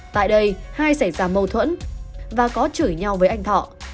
tại đây hai xảy ra mâu thuẫn và có chửi nhau với anh thọ